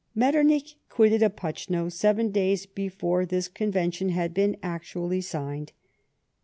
Metternich quitted Opocno seven days before this con vention had been actually signed.